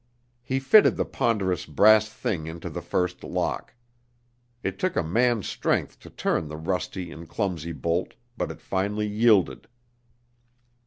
He fitted the ponderous brass thing into the first lock. It took a man's strength to turn the rusty and clumsy bolt, but it finally yielded.